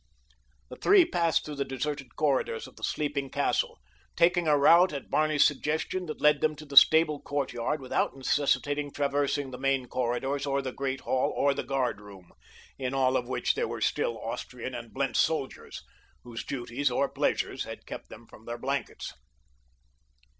The three passed through the deserted corridors of the sleeping castle, taking a route at Barney's suggestion that led them to the stable courtyard without necessitating traversing the main corridors or the great hall or the guardroom, in all of which there still were Austrian and Blentz soldiers, whose duties or pleasures had kept them from their blankets.